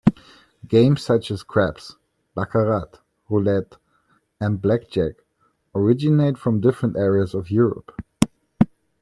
Games such as craps, baccarat, roulette, and blackjack originate from different areas of Europe.